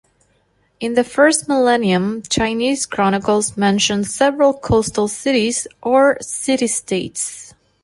In the first millennium Chinese chronicles mention several coastal cities or city-states.